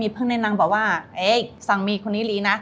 มีเพื่อนในนังบอกว่าเอยสังพันธ์ของนี้รีนะ